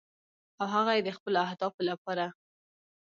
او هغه یې د خپلو اهدافو لپاره